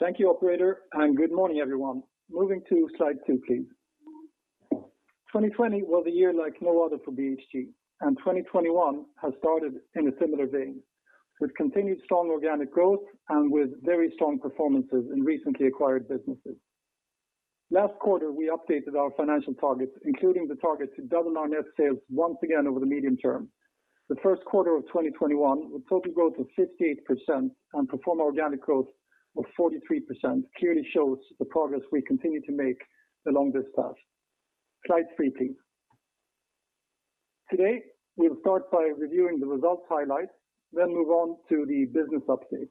Thank you operator, and good morning everyone. Moving to slide two, please. 2020 was a year like no other for BHG, and 2021 has started in a similar vein, with continued strong organic growth and with very strong performances in recently acquired businesses. Last quarter, we updated our financial targets, including the target to double our net sales once again over the medium term. The first quarter of 2021, with total growth of 58% and pro forma organic growth of 43%, clearly shows the progress we continue to make along this path. Slide three, please. Today, we'll start by reviewing the results highlights, then move on to the business update.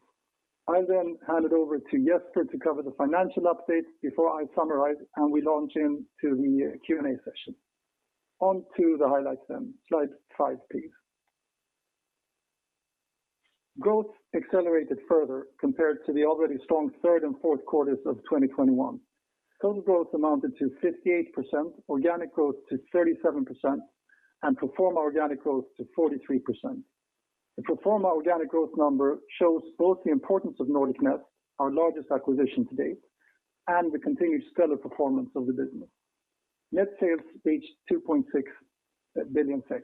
I'll then hand it over to Jesper to cover the financial update before I summarize and we launch into the Q&A session. On to the highlights then. Slide five, please. Growth accelerated further compared to the already strong third and fourth quarters of 2021. Total growth amounted to 58%, organic growth to 37%, and pro forma organic growth to 43%. The pro forma organic growth number shows both the importance of Nordic Nest, our largest acquisition to date, and the continued stellar performance of the business. Net sales reached 2.6 billion SEK.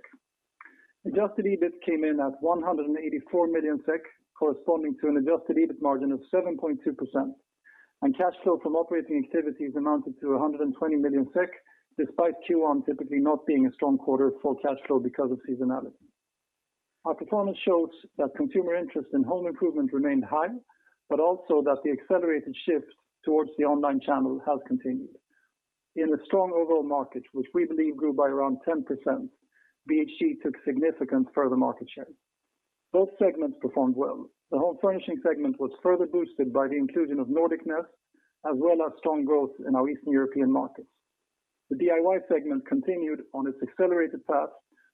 Adjusted EBIT came in at 184 million SEK, corresponding to an adjusted EBIT margin of 7.2%. Cash flow from operating activities amounted to 120 million SEK, despite Q1 typically not being a strong quarter for cash flow because of seasonality. Our performance shows that consumer interest in home improvement remained high, but also that the accelerated shift towards the online channel has continued. In a strong overall market, which we believe grew by around 10%, BHG took significant further market share. Both segments performed well. The home furnishing segment was further boosted by the inclusion of Nordic Nest, as well as strong growth in our Eastern European markets. The DIY segment continued on its accelerated path,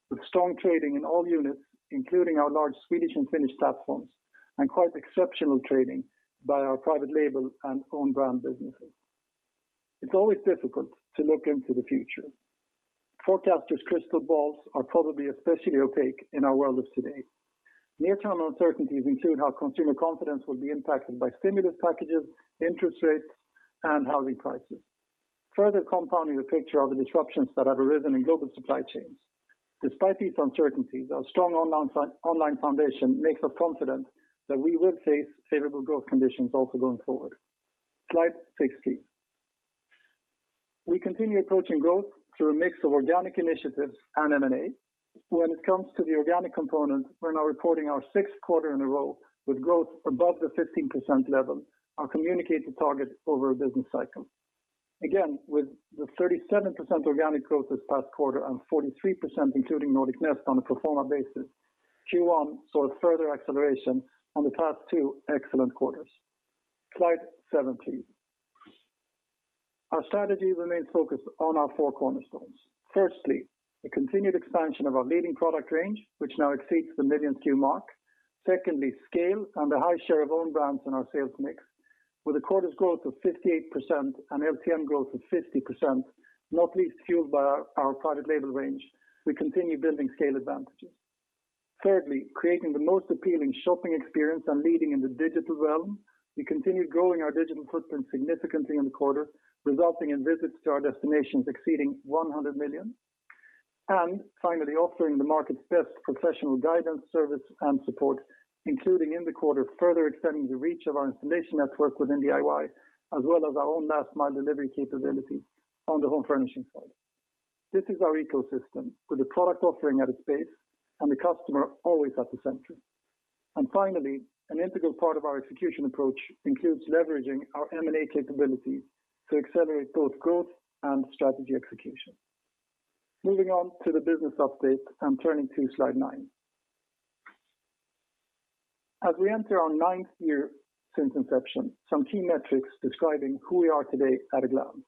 with strong trading in all units, including our large Swedish and Finnish platforms, and quite exceptional trading by our private label and own brand businesses. It's always difficult to look into the future. Forecasters' crystal balls are probably especially opaque in our world of today. Near-term uncertainties include how consumer confidence will be impacted by stimulus packages, interest rates, and housing prices. Further compounding the picture are the disruptions that have arisen in global supply chains. Despite these uncertainties, our strong online foundation makes us confident that we will face favorable growth conditions also going forward. Slide six, please. We continue approaching growth through a mix of organic initiatives and M&A. When it comes to the organic component, we're now reporting our sixth quarter in a row with growth above the 15% level, our communicated target over a business cycle. Again, with the 37% organic growth this past quarter and 43% including Nordic Nest on a pro forma basis, Q1 saw a further acceleration on the past two excellent quarters. Slide seven, please. Our strategy remains focused on our four cornerstones. Firstly, the continued expansion of our leading product range, which now exceeds the million SKU mark. Secondly, scale and a high share of own brands in our sales mix. With a quarter's growth of 58% and LTM growth of 50%, not least fueled by our private label range, we continue building scale advantages. Thirdly, creating the most appealing shopping experience and leading in the digital realm. We continued growing our digital footprint significantly in the quarter, resulting in visits to our destinations exceeding 100 million. Finally, offering the market's best professional guidance, service, and support, including in the quarter, further extending the reach of our installation network within DIY, as well as our own last mile delivery capability on the home furnishing side. This is our ecosystem, with the product offering at its base and the customer always at the center. Finally, an integral part of our execution approach includes leveraging our M&A capability to accelerate both growth and strategy execution. Moving on to the business update and turning to slide nine. As we enter our ninth year since inception, some key metrics describing who we are today at a glance.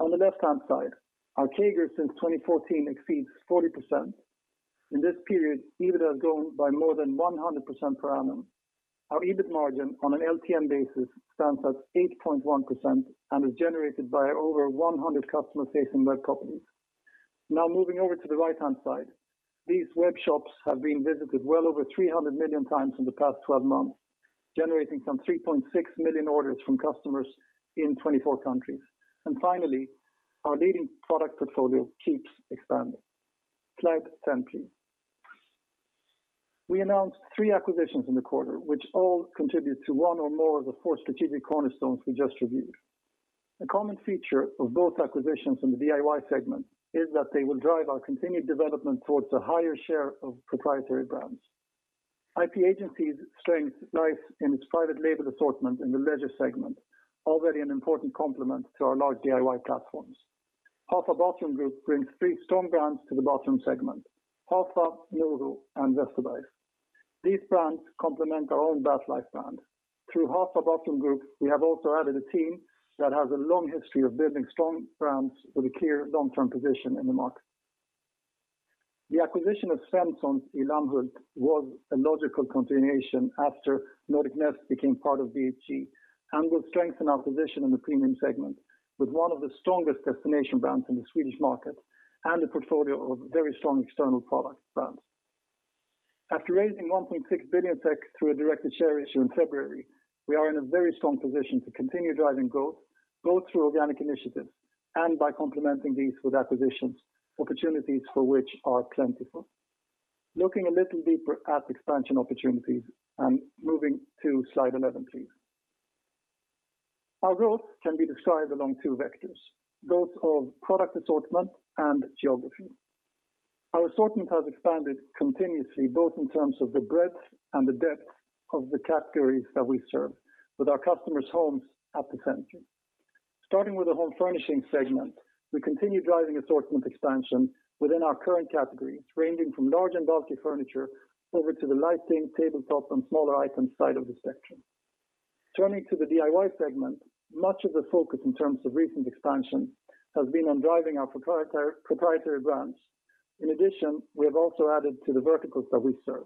On the left-hand side, our CAGR since 2014 exceeds 40%. In this period, EBIT has grown by more than 100% per annum. Our EBIT margin on an LTM basis stands at 8.1% and is generated by over 100 customer-facing web companies. Now moving over to the right-hand side. These web shops have been visited well over 300 million times in the past 12 months, generating some 3.6 million orders from customers in 24 countries. Finally, our leading product portfolio keeps expanding. Slide 10, please. We announced three acquisitions in the quarter, which all contribute to one or more of the four strategic cornerstones we just reviewed. A common feature of both acquisitions in the DIY segment is that they will drive our continued development towards a higher share of proprietary brands. IP Agency's strength lies in its private label assortment in the leisure segment, already an important complement to our large DIY platforms. Hafa Bathroom Group brings three strong brands to the bathroom segment, Hafa, Noro, and Westerbergs. These brands complement our own Bathlife brand. Through Hafa Bathroom Group, we have also added a team that has a long history of building strong brands with a clear long-term position in the market. The acquisition of Svenssons i Lammhult was a logical continuation after Nordic Nest became part of BHG, and will strengthen our position in the premium segment with one of the strongest destination brands in the Swedish market and a portfolio of very strong external product brands. After raising 1.6 billion SEK through a directed share issue in February, we are in a very strong position to continue driving growth, both through organic initiatives and by complementing these with acquisitions, opportunities for which are plentiful. Looking a little deeper at expansion opportunities and moving to slide 11, please. Our growth can be described along two vectors, both of product assortment and geography. Our assortment has expanded continuously, both in terms of the breadth and the depth of the categories that we serve with our customers' homes at the center. Starting with the home furnishing segment, we continue driving assortment expansion within our current categories, ranging from large and bulky furniture over to the lighting, tabletop, and smaller items side of the spectrum. Turning to the DIY segment, much of the focus in terms of recent expansion has been on driving our proprietary brands. In addition, we have also added to the verticals that we serve.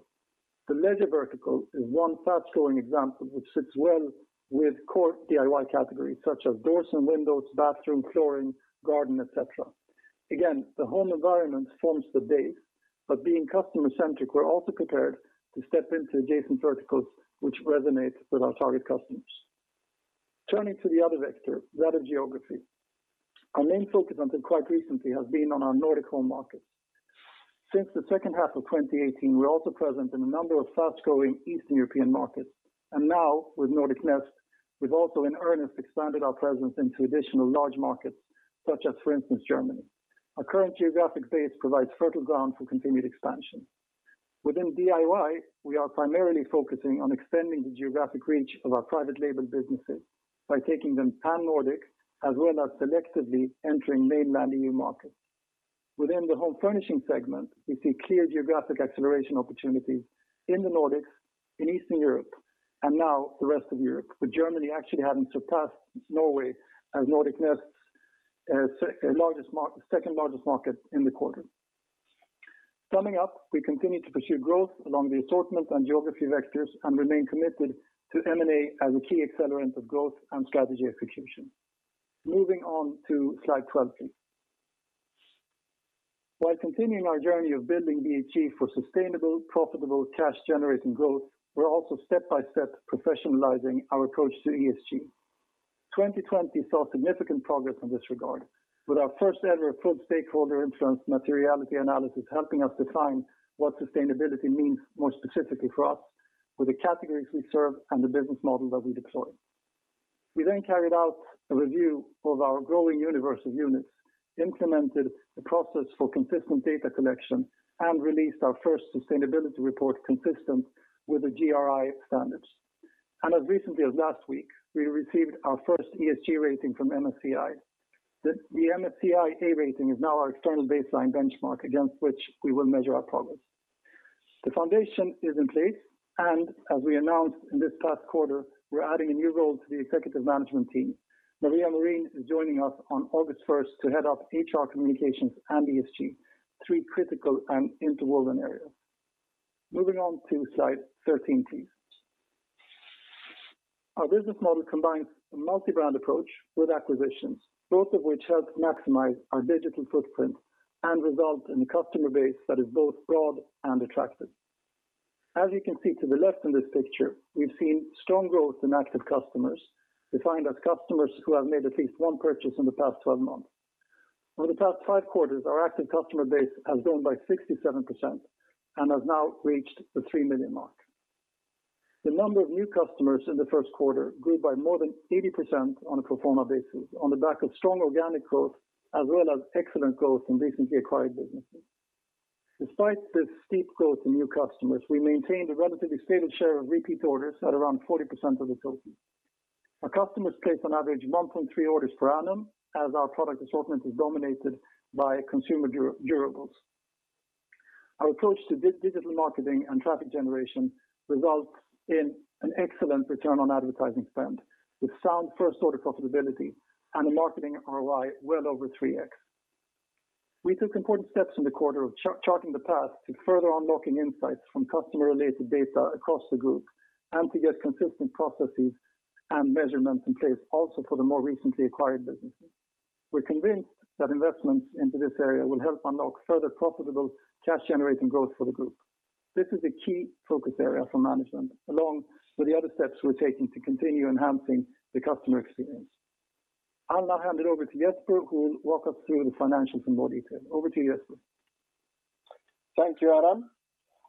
The leisure vertical is one fast-growing example which sits well with core DIY categories such as doors and windows, bathroom, flooring, garden, et cetera. Again, the home environment forms the base, but being customer-centric, we're also prepared to step into adjacent verticals which resonate with our target customers. Turning to the other vector, that of geography. Our main focus until quite recently has been on our Nordic home markets. Since the second half of 2018, we're also present in a number of fast-growing Eastern European markets. Now with Nordic Nest, we've also in earnest expanded our presence into additional large markets such as, for instance, Germany. Our current geographic base provides fertile ground for continued expansion. Within DIY, we are primarily focusing on extending the geographic reach of our private label businesses by taking them pan-Nordic as well as selectively entering mainland EU markets. Within the home furnishing segment, we see clear geographic acceleration opportunities in the Nordics, in Eastern Europe, and now the rest of Europe, with Germany actually having surpassed Norway as Nordic Nest's second largest market in the quarter. Summing up, we continue to pursue growth along the assortment and geography vectors and remain committed to M&A as a key accelerant of growth and strategy execution. Moving on to slide 12, please. While continuing our journey of building BHG for sustainable, profitable, cash-generating growth, we're also step by step professionalizing our approach to ESG. 2020 saw significant progress in this regard with our first ever full stakeholder influence materiality analysis helping us define what sustainability means more specifically for us with the categories we serve and the business model that we deploy. We then carried out a review of our growing universe of units, implemented a process for consistent data collection, and released our first sustainability report consistent with the GRI standards. As recently as last week, we received our first ESG rating from MSCI. The MSCI A rating is now our external baseline benchmark against which we will measure our progress. The foundation is in place, as we announced in this past quarter, we're adding a new role to the executive management team. Maria Morín is joining us on August first to head up HR communications and ESG, three critical and interwoven areas. Moving on to slide 13, please. Our business model combines a multi-brand approach with acquisitions, both of which help maximize our digital footprint and result in a customer base that is both broad and attractive. As you can see to the left in this picture, we've seen strong growth in active customers defined as customers who have made at least one purchase in the past 12 months. Over the past five quarters, our active customer base has grown by 67% and has now reached the 3 million mark. The number of new customers in the first quarter grew by more than 80% on a pro forma basis on the back of strong organic growth as well as excellent growth in recently acquired businesses. Despite this steep growth in new customers, we maintained a relatively stable share of repeat orders at around 40% of the total. Our customers place on average 1.3 orders per annum as our product assortment is dominated by consumer durables. Our approach to digital marketing and traffic generation results in an excellent return on advertising spend with sound first order profitability and a marketing ROI well over 3X. We took important steps in the quarter of charting the path to further unlocking insights from customer-related data across the group and to get consistent processes and measurements in place also for the more recently acquired businesses. We're convinced that investments into this area will help unlock further profitable cash-generating growth for the group. This is a key focus area for management along with the other steps we're taking to continue enhancing the customer experience. I'll now hand it over to Jesper, who will walk us through the financials in more detail. Over to you, Jesper. Thank you, Adam.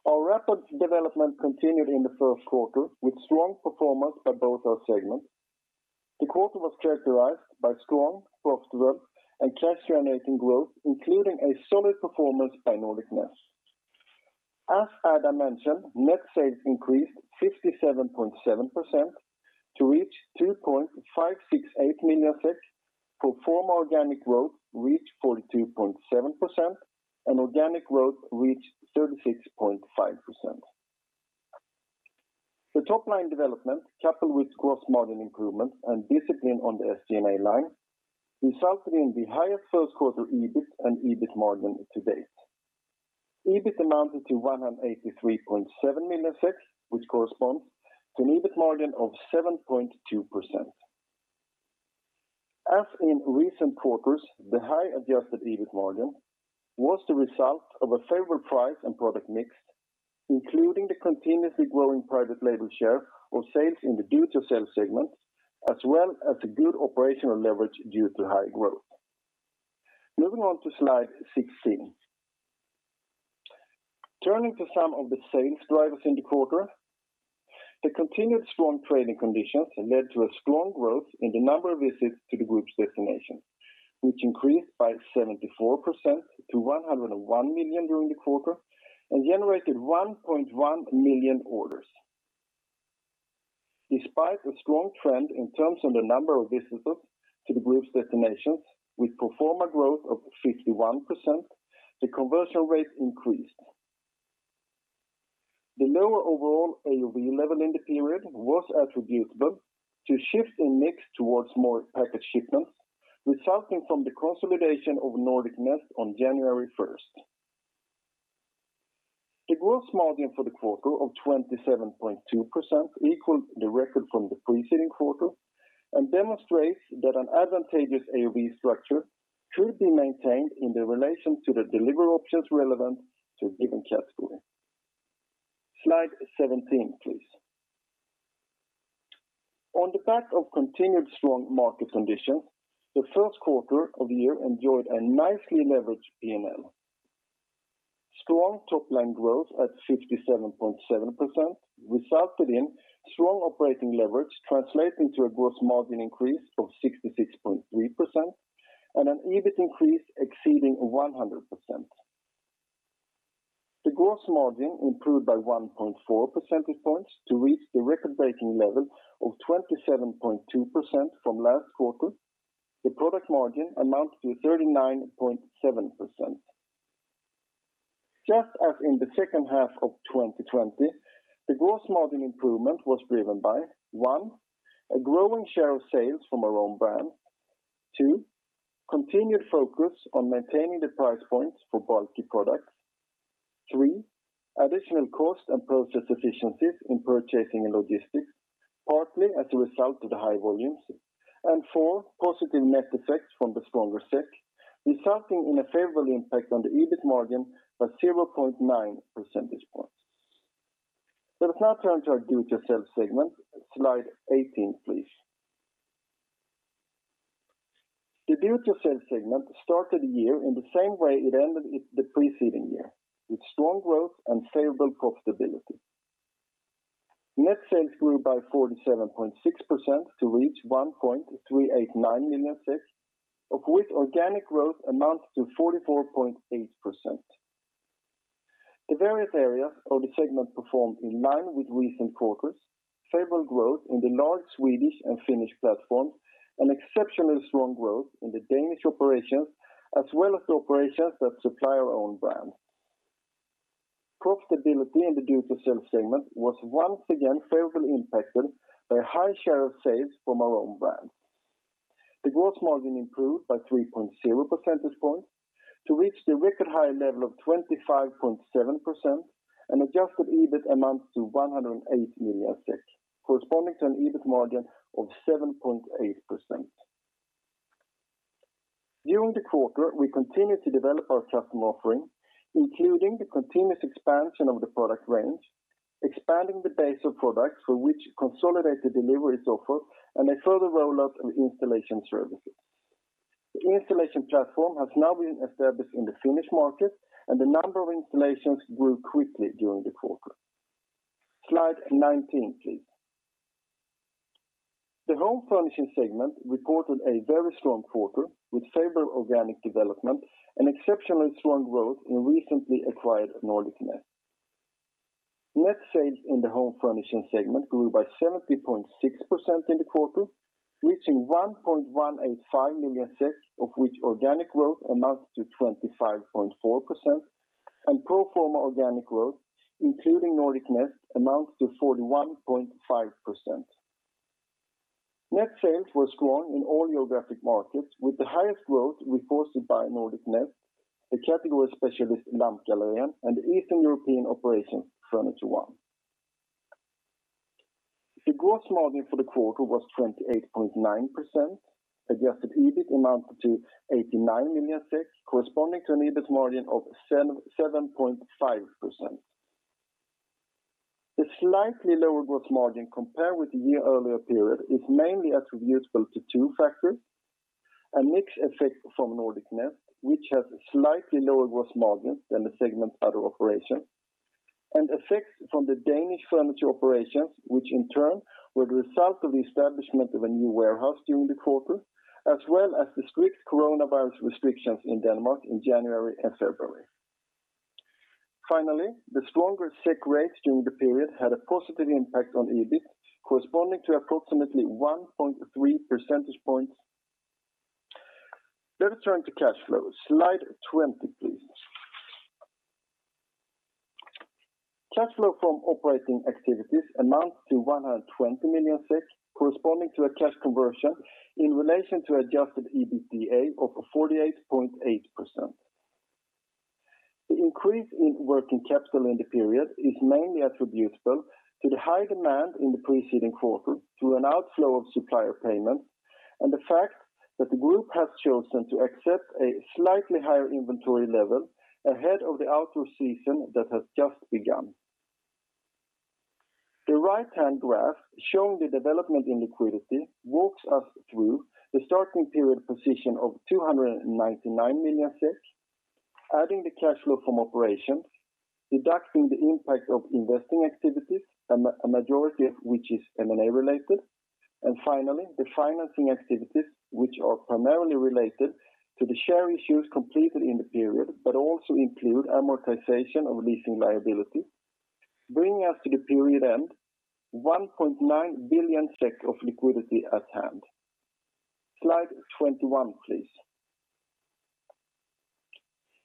Our rapid development continued in the first quarter with strong performance by both our segments. The quarter was characterized by strong, profitable, and cash-generating growth, including a solid performance by Nordic Nest. As Adam mentioned, net sales increased 57.7% to reach 2,568 million. Pro forma organic growth reached 42.7%, and organic growth reached 36.5%. The top-line development coupled with gross margin improvements and discipline on the SG&A line resulted in the highest first quarter EBIT and EBIT margin to date. EBIT amounted to 183.7 million, which corresponds to an EBIT margin of 7.2%. As in recent quarters, the high adjusted EBIT margin was the result of a favorable price and product mix, including the continuously growing private label share of sales in the Do-It-Yourself segment, as well as the good operational leverage due to high growth. Moving on to slide 16. Turning to some of the sales drivers in the quarter, the continued strong trading conditions led to a strong growth in the number of visits to the group's destination, which increased by 74% to 101 million during the quarter and generated 1.1 million orders. Despite a strong trend in terms of the number of visitors to the group's destinations, with pro forma growth of 51%, the conversion rate increased. The lower overall AOV level in the period was attributable to shifts in mix towards more package shipments, resulting from the consolidation of Nordic Nest on January 1st. The gross margin for the quarter of 27.2% equals the record from the preceding quarter and demonstrates that an advantageous AOV structure could be maintained in the relation to the delivery options relevant to a given category. Slide 17, please. On the back of continued strong market conditions, the first quarter of the year enjoyed a nicely leveraged P&L. Strong top-line growth at 67.7% resulted in strong operating leverage translating to a gross margin increase of 66.3% and an EBIT increase exceeding 100%. The gross margin improved by 1.4 percentage points to reach the record-breaking level of 27.2% from last quarter. The product margin amounted to 39.7%. Just as in the second half of 2020, the gross margin improvement was driven by, one, a growing share of sales from our own brand. Two, continued focus on maintaining the price points for bulky products. Three, additional cost and process efficiencies in purchasing and logistics, partly as a result of the high volumes. Four, positive net effects from the stronger SEK, resulting in a favorable impact on the EBIT margin by 0.9 percentage points. Let us now turn to our Do-It-Yourself segment. Slide 18, please. The Do-It-Yourself segment started the year in the same way it ended the preceding year, with strong growth and favorable profitability. Net sales grew by 47.6% to reach 1.389 million, of which organic growth amounts to 44.8%. The various areas of the segment performed in line with recent quarters, favorable growth in the large Swedish and Finnish platforms, and exceptionally strong growth in the Danish operations, as well as the operations that supply our own brand. Profitability in the Do-It-Yourself segment was once again favorably impacted by a high share of sales from our own brand. The gross margin improved by 3.0 percentage points to reach the record-high level of 25.7%, and adjusted EBIT amounts to 108 million SEK, corresponding to an EBIT margin of 7.8%. During the quarter, we continued to develop our customer offering, including the continuous expansion of the product range, expanding the base of products for which consolidated delivery is offered, and a further rollout of installation services. The installation platform has now been established in the Finnish market, and the number of installations grew quickly during the quarter. Slide 19, please. The Home Furnishing segment reported a very strong quarter with favorable organic development and exceptionally strong growth in recently acquired Nordic Nest. Net sales in the Home Furnishing segment grew by 70.6% in the quarter, reaching 1.185 million SEK, of which organic growth amounts to 25.4%, and pro forma organic growth, including Nordic Nest, amounts to 41.5%. Net sales were strong in all geographic markets, with the highest growth reported by Nordic Nest, the category specialist Lampgallerian, and Eastern European operation, Furniture1. The gross margin for the quarter was 28.9%. Adjusted EBIT amounted to 89 million SEK, corresponding to an EBIT margin of 7.5%. The slightly lower gross margin compared with the year-earlier period is mainly attributable to two factors, a mix effect from Nordic Nest, which has a slightly lower gross margin than the segment's other operations, and effects from the Danish furniture operations, which in turn were the result of the establishment of a new warehouse during the quarter, as well as the strict coronavirus restrictions in Denmark in January and February. Finally, the stronger SEK rates during the period had a positive impact on EBIT, corresponding to approximately 1.3 percentage points. Let us turn to cash flow. Slide 20, please. Cash flow from operating activities amounts to 120 million, corresponding to a cash conversion in relation to adjusted EBITDA of 48.8%. The increase in working capital in the period is mainly attributable to the high demand in the preceding quarter through an outflow of supplier payments and the fact that the group has chosen to accept a slightly higher inventory level ahead of the outdoor season that has just begun. The right-hand graph showing the development in liquidity walks us through the starting period position of 299 million SEK, adding the cash flow from operations, deducting the impact of investing activities, a majority of which is M&A related, and finally, the financing activities, which are primarily related to the share issues completed in the period, but also include amortization of leasing liability, bringing us to the period end, 1.9 billion SEK of liquidity at hand. Slide 21, please.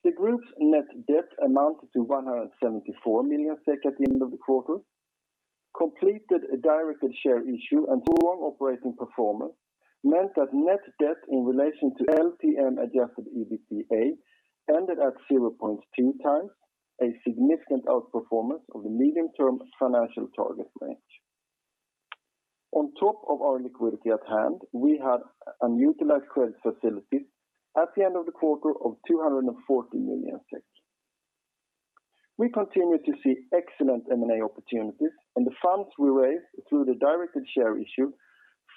The group's net debt amounted to 174 million SEK at the end of the quarter, completed a directed share issue and strong operating performance meant that net debt in relation to LTM adjusted EBITDA ended at 0.2 times, a significant outperformance of the medium-term financial target range. On top of our liquidity at hand, we had unutilized credit facilities at the end of the quarter of 240 million. We continue to see excellent M&A opportunities and the funds we raise through the directed share issue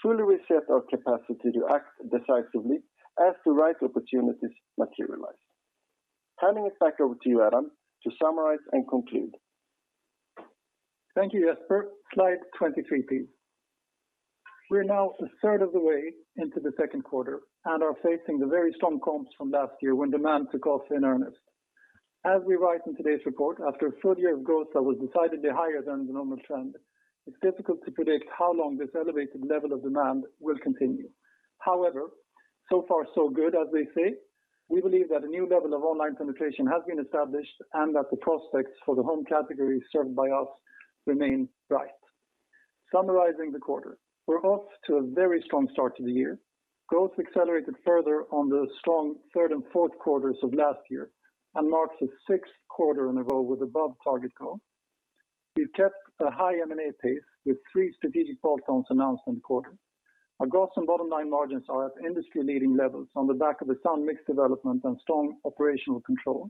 fully reset our capacity to act decisively as the right opportunities materialize. Handing it back over to you, Adam, to summarize and conclude. Thank you, Jesper. Slide 23, please. We're now a third of the way into the second quarter and are facing the very strong comps from last year when demand took off in earnest. As we write in today's report, after a full year of growth that was decidedly higher than the normal trend, it's difficult to predict how long this elevated level of demand will continue. However, so far so good as they say, we believe that a new level of online penetration has been established and that the prospects for the home category served by us remain bright. Summarizing the quarter, we're off to a very strong start to the year. Growth accelerated further on the strong third and fourth quarters of last year and marks the sixth quarter in a row with above-target growth. We've kept a high M&A pace with three strategic bolt-ons announced in the quarter. Our gross and bottom line margins are at industry-leading levels on the back of a sound mix development and strong operational control.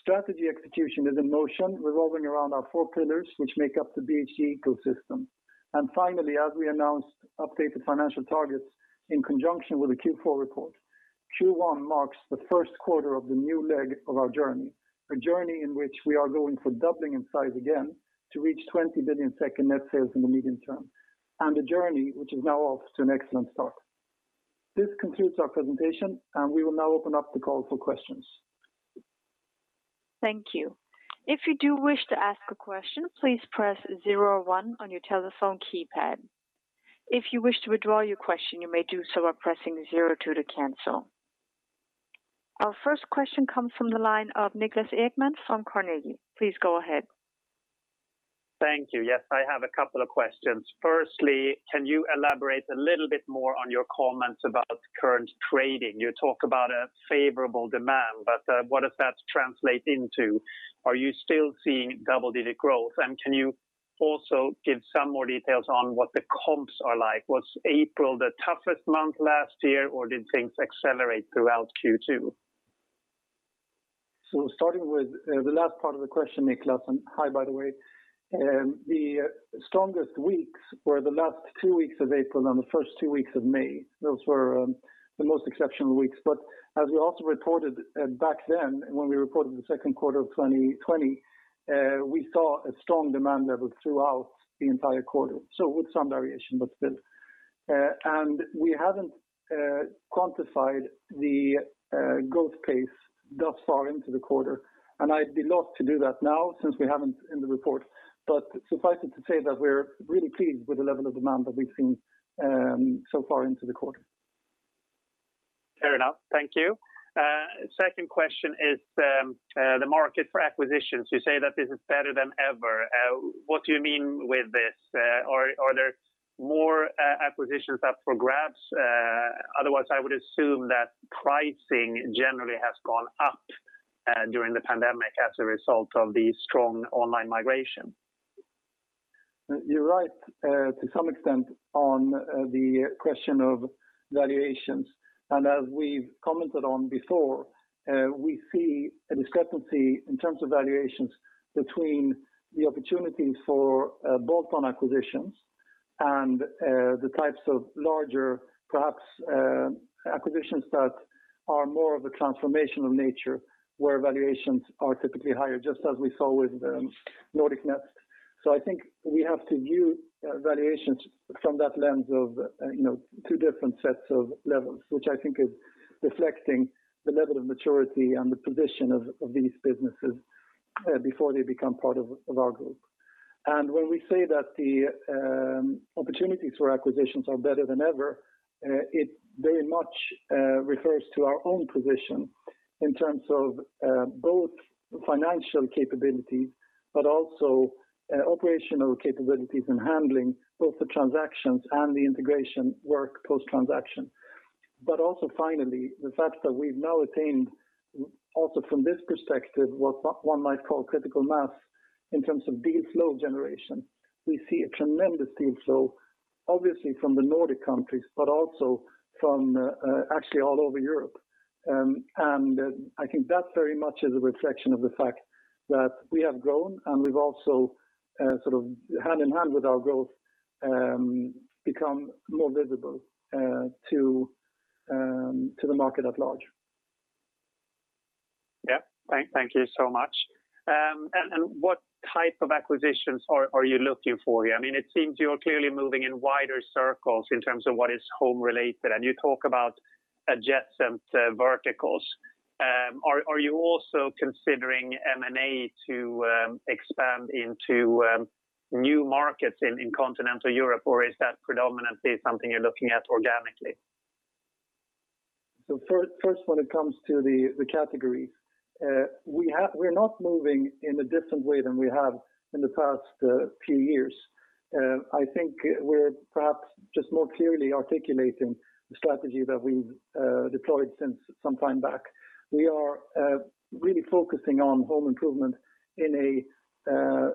Strategy execution is in motion, revolving around our four pillars, which make up the BHG ecosystem. Finally, as we announced updated financial targets in conjunction with the Q4 report, Q1 marks the first quarter of the new leg of our journey. A journey in which we are going for doubling in size again to reach 20 billion SEK in net sales in the medium term, and a journey which is now off to an excellent start. This concludes our presentation, and we will now open up the call for questions. Thank you. If you do wish to ask a question, please press zero or one on your telephone keypad. If you wish to withdraw your question, you may do so by pressing zero two to cancel. Our first question comes from the line of Nicholas Eggman from Carnegie. Please go ahead. Thank you. Yes, I have a couple of questions. Firstly, can you elaborate a little bit more on your comments about current trading? You talk about a favorable demand, what does that translate into? Are you still seeing double-digit growth? Can you also give some more details on what the comps are like? Was April the toughest month last year, or did things accelerate throughout Q2? Starting with the last part of the question, Nicholas, and hi, by the way. The strongest weeks were the last two weeks of April and the first two weeks of May. Those were the most exceptional weeks. As we also reported back then, when we reported the second quarter of 2020, we saw a strong demand level throughout the entire quarter. With some variation, but still. We haven't quantified the growth pace thus far into the quarter, and I'd be lost to do that now since we haven't in the report. Suffice it to say that we're really pleased with the level of demand that we've seen so far into the quarter. Fair enough. Thank you. Second question is the market for acquisitions. You say that this is better than ever. What do you mean with this? Are there more acquisitions up for grabs? Otherwise, I would assume that pricing generally has gone up during the pandemic as a result of the strong online migration. You're right to some extent on the question of valuations. As we've commented on before, we see a discrepancy in terms of valuations between the opportunities for bolt-on acquisitions and the types of larger, perhaps acquisitions that are more of a transformational nature, where valuations are typically higher, just as we saw with Nordic Nest. I think we have to view valuations from that lens of two different sets of levels, which I think is reflecting the level of maturity and the position of these businesses before they become part of our group. When we say that the opportunities for acquisitions are better than ever, it very much refers to our own position in terms of both financial capabilities, but also operational capabilities in handling both the transactions and the integration work post-transaction. Also finally, the fact that we've now attained, also from this perspective, what one might call critical mass in terms of deal flow generation. We see a tremendous deal flow, obviously from the Nordic countries, but also from actually all over Europe. I think that very much is a reflection of the fact that we have grown, and we've also sort of hand-in-hand with our growth, become more visible to the market at large. Yeah. Thank you so much. What type of acquisitions are you looking for here? It seems you're clearly moving in wider circles in terms of what is home related, and you talk about adjacent verticals. Are you also considering M&A to expand into new markets in continental Europe, or is that predominantly something you're looking at organically? First, when it comes to the categories, we're not moving in a different way than we have in the past few years. I think we're perhaps just more clearly articulating the strategy that we've deployed since some time back. We are really focusing on home improvement in a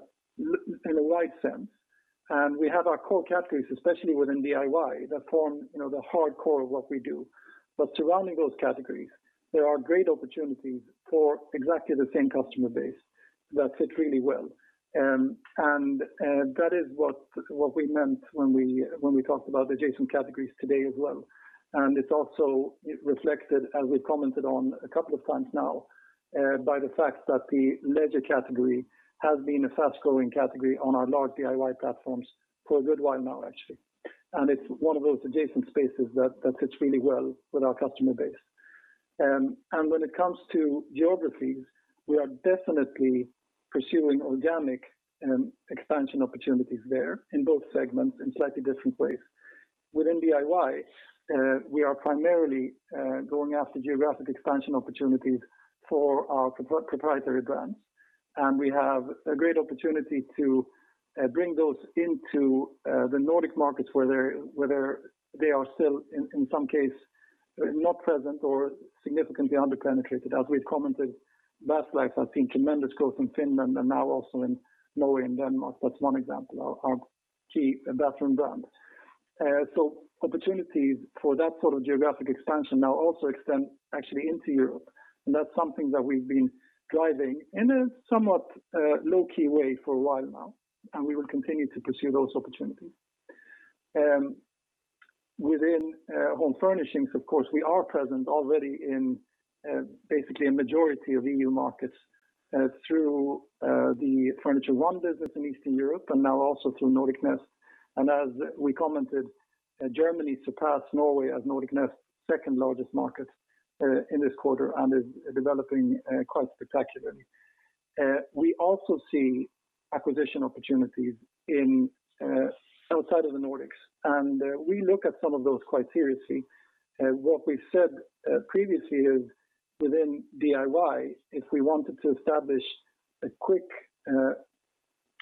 wide sense, and we have our core categories, especially within DIY, that form the hardcore of what we do. Surrounding those categories, there are great opportunities for exactly the same customer base that fit really well. That is what we meant when we talked about adjacent categories today as well. It's also reflected, as we've commented on a couple of times now, by the fact that the leisure category has been a fast-growing category on our large DIY platforms for a good while now actually. It's one of those adjacent spaces that fits really well with our customer base. When it comes to geographies, we are definitely pursuing organic expansion opportunities there in both segments in slightly different ways. Within DIY, we are primarily going after geographic expansion opportunities for our proprietary brands, and we have a great opportunity to bring those into the Nordic markets, where they are still in some case, not present or significantly under-penetrated. As we've commented, Bathlife has seen tremendous growth in Finland and now also in Norway and Denmark. That's one example, our key bathroom brand. Opportunities for that sort of geographic expansion now also extend actually into Europe, and that's something that we've been driving in a somewhat low-key way for a while now, and we will continue to pursue those opportunities. Within home furnishings, of course, we are present already in basically a majority of EU markets through the Furniture1 business in Eastern Europe and now also through Nordic Nest. As we commented, Germany surpassed Norway as Nordic Nest's second-largest market in this quarter and is developing quite spectacularly. We also see acquisition opportunities outside of the Nordics, and we look at some of those quite seriously. What we've said previously is within DIY, if we wanted to establish a quick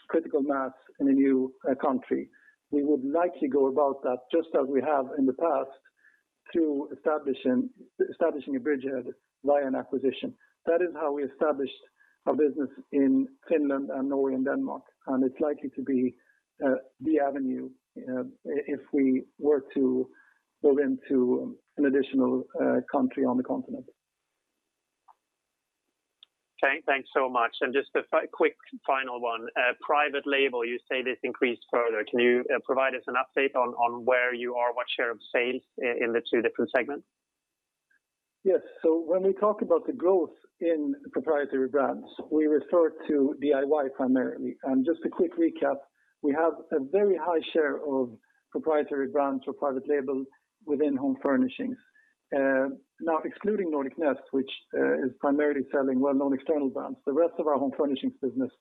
critical mass in a new country, we would likely go about that, just as we have in the past, through establishing a bridgehead via an acquisition. That is how we established our business in Finland and Norway and Denmark, and it's likely to be the avenue if we were to move into an additional country on the continent. Okay. Thanks so much. Just a quick final one. Private label, you say this increased further. Can you provide us an update on where you are? What share of sales in the two different segments? Yes. When we talk about the growth in proprietary brands, we refer to DIY primarily. Just a quick recap, we have a very high share of proprietary brands or private label within home furnishings. Excluding Nordic Nest, which is primarily selling well-known external brands, the rest of our home furnishings business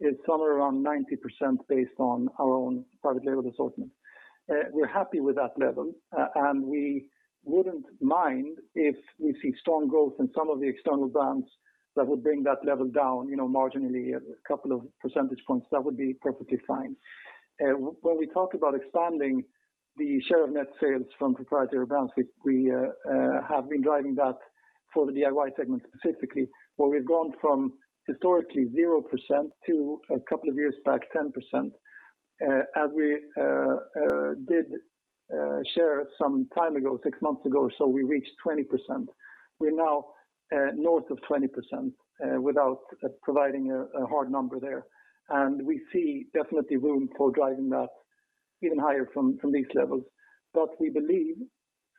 is somewhere around 90% based on our own private label assortment. We're happy with that level, and we wouldn't mind if we see strong growth in some of the external brands that would bring that level down marginally a couple of percentage points. That would be perfectly fine. When we talk about expanding the share of net sales from proprietary brands, we have been driving that for the DIY segment specifically, where we've gone from historically 0% to a couple of years back 10%. As we did share some time ago, six months ago or so, we reached 20%. We're now north of 20% without providing a hard number there. We see definitely room for driving that even higher from these levels. We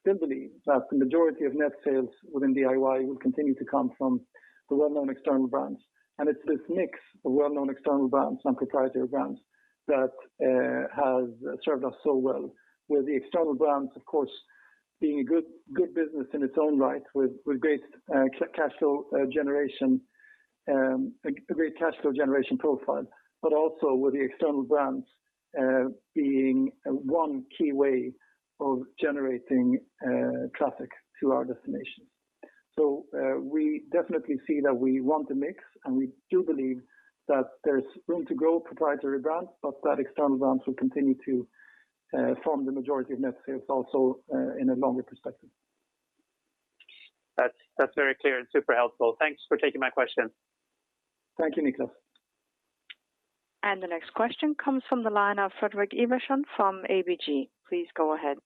still believe that the majority of net sales within DIY will continue to come from the well-known external brands. It's this mix of well-known external brands and proprietary brands that has served us so well with the external brands, of course, being a good business in its own right with great cash flow generation profile, but also with the external brands being one key way of generating traffic to our destination. We definitely see that we want the mix, and we do believe that there's room to grow proprietary brands, but that external brands will continue to form the majority of net sales also in a longer perspective. That's very clear and super helpful. Thanks for taking my question. Thank you, Nicholas. The next question comes from the line of Fredrik Ivarsson from ABG. Please go ahead.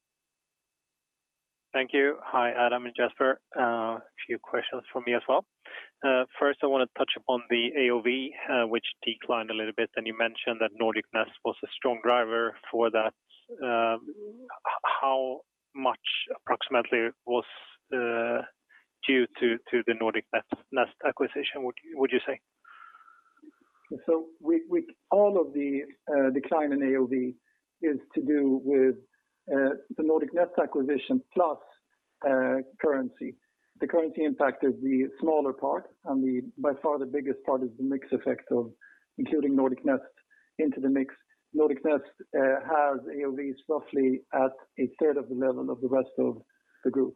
Thank you. Hi, Adam and Jesper. A few questions from me as well. First, I want to touch upon the AOV, which declined a little bit, and you mentioned that Nordic Nest was a strong driver for that. How much, approximately, was due to the Nordic Nest acquisition, would you say? With all of the decline in AOV is to do with the Nordic Nest acquisition plus currency. The currency impacted the smaller part and by far the biggest part is the mix effect of including Nordic Nest into the mix. Nordic Nest has AOVs roughly at a third of the level of the rest of the group.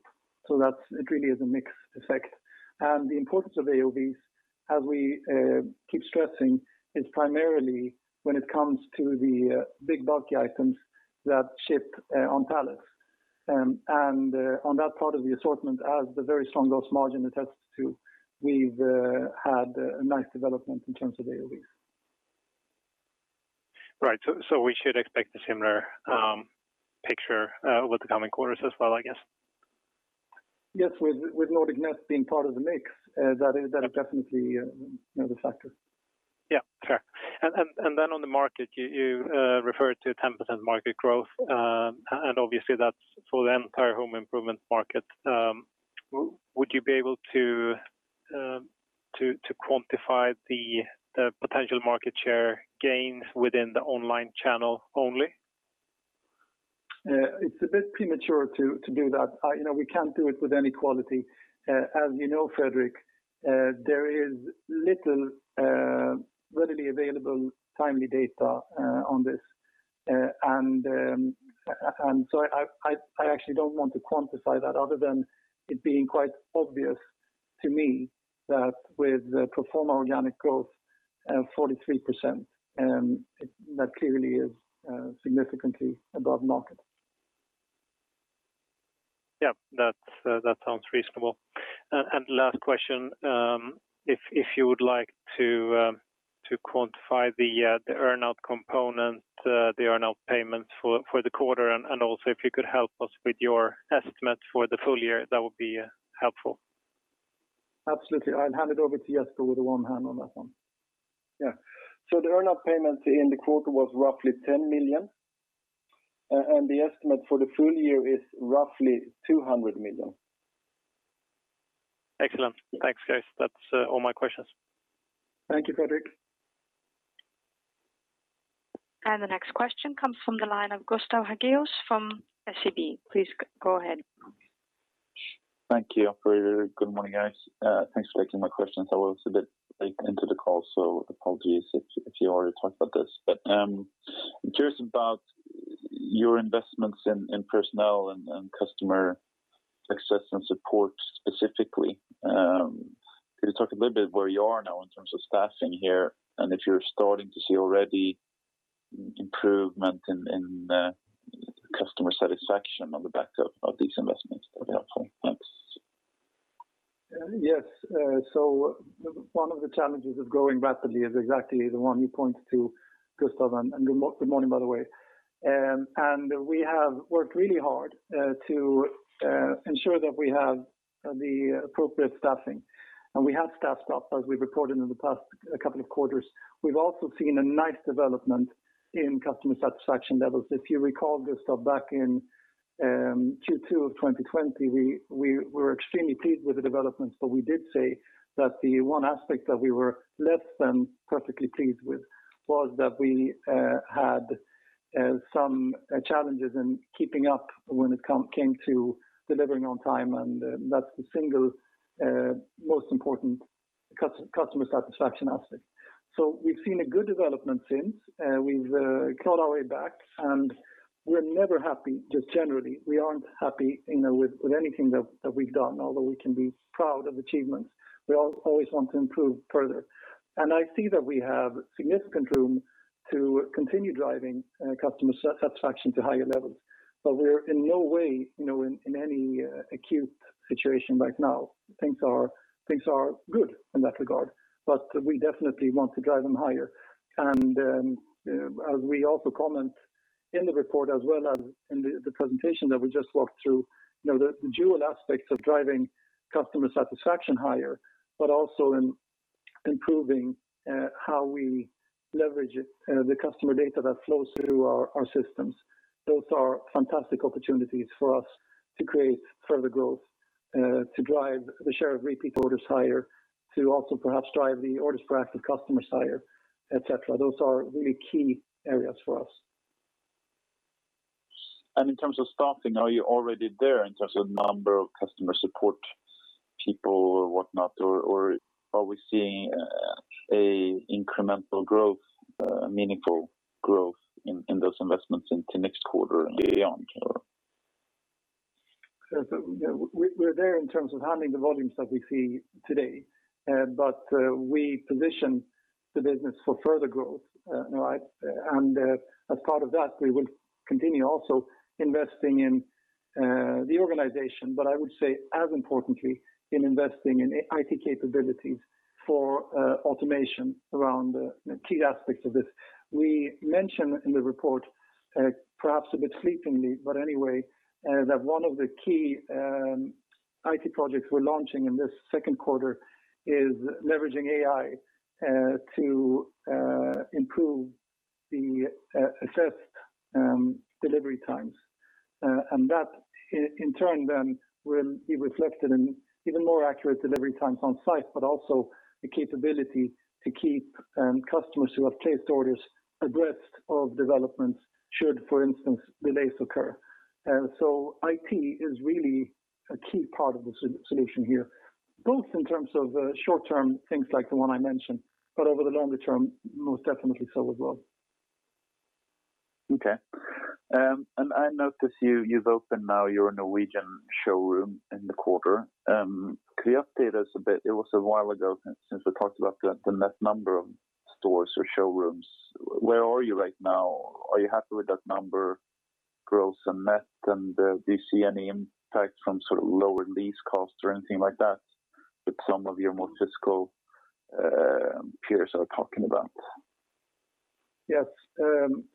It really is a mix effect. The importance of AOVs, as we keep stressing, is primarily when it comes to the big bulky items that ship on pallets. On that part of the assortment, as the very strong gross margin attests to, we have had a nice development in terms of AOVs. Right. We should expect a similar picture with the coming quarters as well, I guess? Yes, with Nordic Nest being part of the mix, that is definitely another factor. Yeah, fair. On the market, you referred to 10% market growth. Obviously that's for the entire home improvement market. Would you be able to quantify the potential market share gains within the online channel only? It's a bit premature to do that. We can't do it with any quality. As you know, Fredrik, there is little readily available timely data on this. I actually don't want to quantify that other than it being quite obvious to me that with pro forma organic growth at 43%, that clearly is significantly above market. Yeah. That sounds reasonable. Last question, if you would like to quantify the earn-out component, the earn-out payments for the quarter, and also if you could help us with your estimate for the full year, that would be helpful? Absolutely. I'll hand it over to Jesper with one hand on that one. Yeah. The earn-out payment in the quarter was roughly 10 million, and the estimate for the full year is roughly 200 million. Excellent. Thanks, guys. That's all my questions. Thank you, Fredrik. The next question comes from the line of Gustav Hagios from SEB. Please go ahead. Thank you, operator. Good morning, guys. Thanks for taking my questions. I was a bit late into the call, so apologies if you already talked about this. I'm curious about your investments in personnel and customer success and support specifically. Could you talk a little bit where you are now in terms of staffing here, and if you're starting to see already improvement in customer satisfaction on the back of these investments? That'd be helpful. Thanks. Yes. One of the challenges of growing rapidly is exactly the one you pointed to, Gustav, and good morning, by the way. We have worked really hard to ensure that we have the appropriate staffing, and we have staffed up as we've reported in the past couple of quarters. We've also seen a nice development in customer satisfaction levels. If you recall, Gustav, back in Q2 of 2020, we were extremely pleased with the developments, but we did say that the one aspect that we were less than perfectly pleased with was that we had some challenges in keeping up when it came to delivering on time, and that's the single most important customer satisfaction aspect. We've seen a good development since. We've clawed our way back, and we're never happy, just generally. We aren't happy with anything that we've done, although we can be proud of achievements. We always want to improve further. I see that we have significant room to continue driving customer satisfaction to higher levels. We're in no way in any acute situation right now. Things are good in that regard, but we definitely want to drive them higher. As we also comment in the report as well as in the presentation that we just walked through, the dual aspects of driving customer satisfaction higher, but also in improving how we leverage the customer data that flows through our systems. Those are fantastic opportunities for us to create further growth, to drive the share of repeat orders higher, to also perhaps drive the orders per active customers higher, et cetera. Those are really key areas for us. In terms of staffing, are you already there in terms of number of customer support people, or whatnot, or are we seeing an incremental growth, meaningful growth in those investments into next quarter and beyond? We're there in terms of handling the volumes that we see today. We position the business for further growth. As part of that, we will continue also investing in the organization, but I would say as importantly, in investing in IT capabilities for automation around the key aspects of this. We mentioned in the report, perhaps a bit sleepingly, but anyway, that one of the key IT projects we're launching in this second quarter is leveraging AI to improve the assessed delivery times. That in turn then will be reflected in even more accurate delivery times on site, but also the capability to keep customers who have placed orders abreast of developments should, for instance, delays occur. IT is really a key part of the solution here, both in terms of short-term things like the one I mentioned, but over the longer term, most definitely so as well. Okay. I noticed you've opened now your Norwegian showroom in the quarter. Could you update us a bit? It was a while ago since we talked about the net number of stores or showrooms. Where are you right now? Are you happy with that number? Gross and net, and do you see any impact from sort of lower lease costs or anything like that some of your more physical peers are talking about? Yes.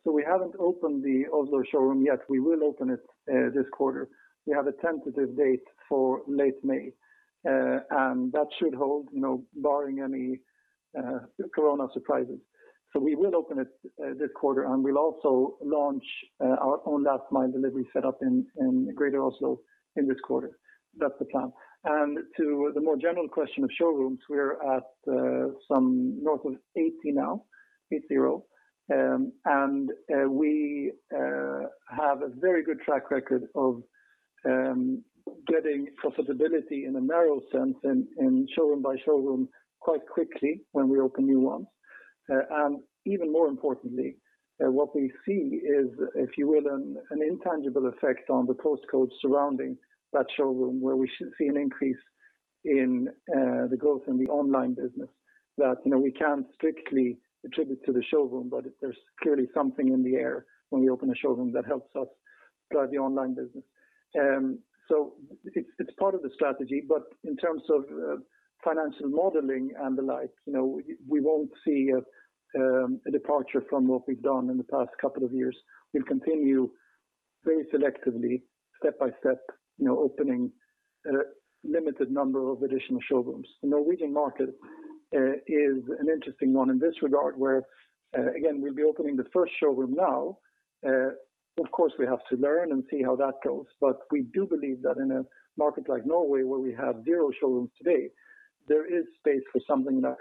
We haven't opened the Oslo showroom yet. We will open it this quarter. We have a tentative date for late May, and that should hold, barring any Corona surprises. We will open it this quarter, and we'll also launch our own last mile delivery set up in greater Oslo in this quarter. That's the plan. To the more general question of showrooms, we're at some north of 80 now, eight zero. We have a very good track record of getting profitability in a narrow sense and showroom by showroom quite quickly when we open new ones. Even more importantly, what we see is, if you will, an intangible effect on the postcodes surrounding that showroom where we should see an increase in the growth in the online business that we can't strictly attribute to the showroom, but there's clearly something in the air when we open a showroom that helps us drive the online business. It's part of the strategy, but in terms of financial modeling and the like, we won't see a departure from what we've done in the past couple of years. We'll continue very selectively, step-by-step, opening a limited number of additional showrooms. The Norwegian market is an interesting one in this regard where, again, we'll be opening the first showroom now. Of course, we have to learn and see how that goes. We do believe that in a market like Norway where we have zero showrooms today, there is space for something like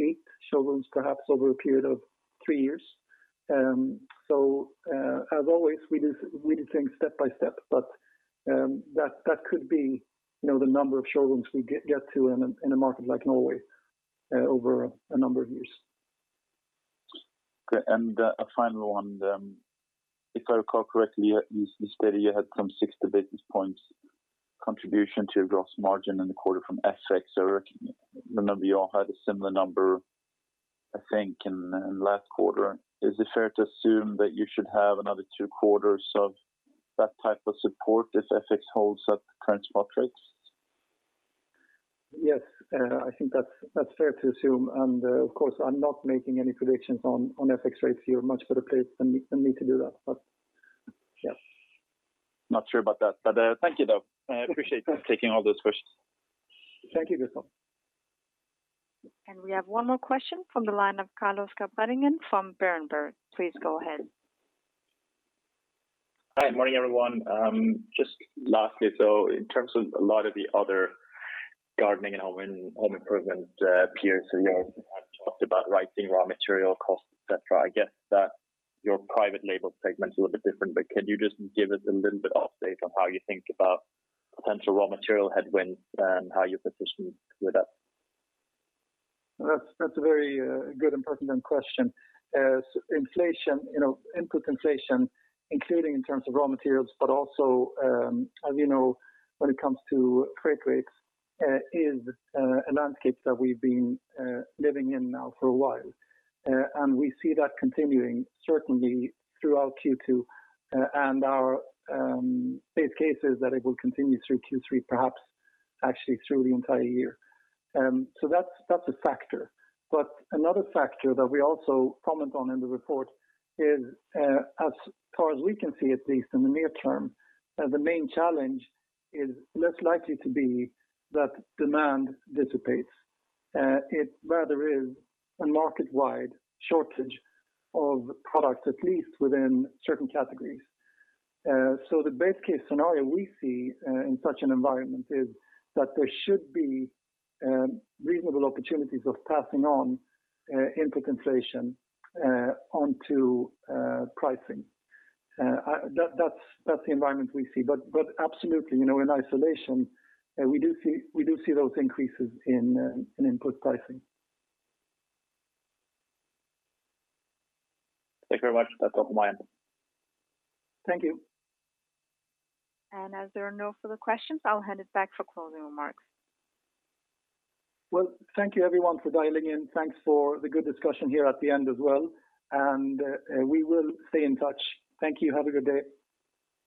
eight showrooms perhaps over a period of three years. As always, we do things step by step, but that could be the number of showrooms we get to in a market like Norway over a number of years. A final one. If I recall correctly, you stated you had some 60 basis points contribution to your gross margin in the quarter from FX, or remember you all had a similar number, I think, in last quarter. Is it fair to assume that you should have another two quarters of that type of support if FX holds at the current spot rates? Yes. I think that's fair to assume, and of course, I'm not making any predictions on FX rates. You're much better placed than me to do that, but yes. Not sure about that, but thank you, though. I appreciate you taking all those questions. Thank you, Gustav. We have one more question from the line of Carlos Gabilondo from Berenberg. Please go ahead. Hi, morning everyone. Just lastly, in terms of a lot of the other gardening and home improvement peers who have talked about rising raw material costs, et cetera, I guess that your private label segment's a little bit different, but could you just give us a little bit update on how you think about potential raw material headwinds and how you're positioned with that? That's a very good and pertinent question. Input inflation, including in terms of raw materials, but also as you know, when it comes to freight rates is a landscape that we've been living in now for a while. We see that continuing certainly throughout Q2, and our base case is that it will continue through Q3, perhaps actually through the entire year. That's a factor. Another factor that we also comment on in the report is, as far as we can see at least in the near term, the main challenge is less likely to be that demand dissipates. It rather is a market-wide shortage of products, at least within certain categories. The base case scenario we see in such an environment is that there should be reasonable opportunities of passing on input inflation onto pricing. That's the environment we see. Absolutely, in isolation, we do see those increases in input pricing. Thank you very much. That's all from my end. Thank you. As there are no further questions, I'll hand it back for closing remarks. Well, thank you everyone for dialing in. Thanks for the good discussion here at the end as well, and we will stay in touch. Thank you. Have a good day.